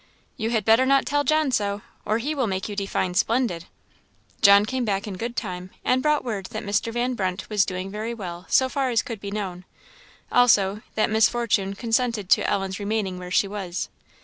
"You had better not tell John so, or he will make you define splendid." John came back in good time, and brought word that Mr. Van Brunt was doing very well, so far as could be known; also, that Miss Fortune consented to Ellen's remaining where she was.